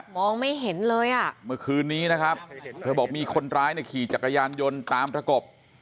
มองไม่เห็นเลยอ่ะเมื่อคืนนี้นะครับเธอบอกมีคนร้ายเนี่ยขี่จักรยานยนต์ตามประกบ